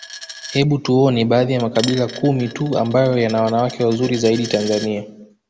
Hebu tuone baadhi ya makabila kumi tuu ambayo yana wanawake wazuri zaidi Tanzania